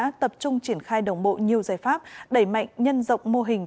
công an tp hà nội đã tập trung triển khai đồng bộ nhiều giải pháp đẩy mạnh nhân dọc mô hình